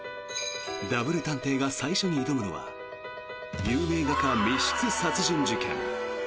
ダブル探偵が最初に挑むのは有名画家密室殺人事件。